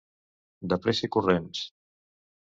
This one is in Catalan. De pressa i corrents.